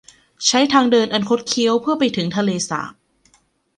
ใช้ทางเดินอันคดเคี้ยวเพื่อ ไปถึงทะเลสาบ